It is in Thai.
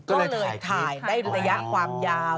ก็เลยถ่ายได้ระยะความยาว